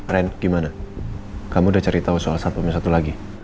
ren gimana kamu udah cari tahu soal satunya satu lagi